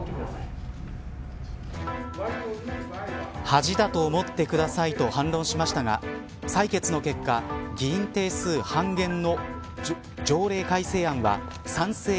恥だと思ってくださいと反論しましたが採決の結果議員定数半減の条例改正案は賛成